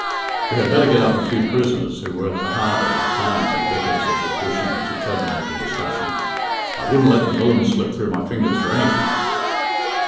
"We had better get up a few prisoners who were at the Harbour at the time," said Vickers, as if wishing to terminate the discussion. "I wouldn't let the villains slip through my fingers for anything."